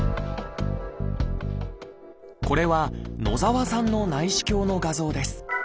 これは野澤さんの内視鏡の画像です。